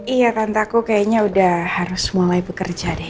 iya tantaku kayaknya udah harus mulai bekerja deh